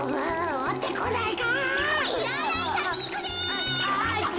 おってこないか？